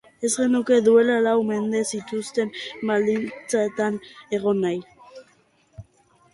Ez genuke duela lau mende zituzten baldintzetan egon nahi.